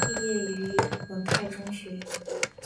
早年毕业于金文泰中学。